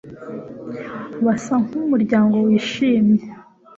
basa nkumuryango wishimye